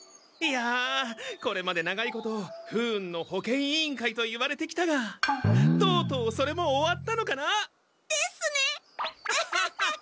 いやこれまで長いこと不運の保健委員会といわれてきたがとうとうそれも終わったのかな？ですね！